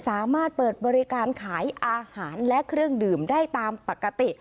สามารถเปิดบริการขายอาหารและเครื่องดื่มได้ตามปกติ